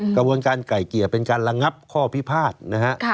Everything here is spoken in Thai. กระบวนการไก่เกลี่ยเป็นการระงับข้อพิพาทนะฮะ